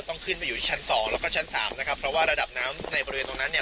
ต้องขึ้นไปอยู่ที่ชั้นสองแล้วก็ชั้นสามนะครับเพราะว่าระดับน้ำในบริเวณตรงนั้นเนี่ย